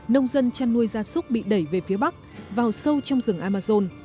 nông dân chăn nuôi gia súc bị đẩy về phía bắc vào sâu trong rừng amazon